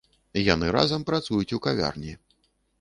Яны разам працуюць у кавярні.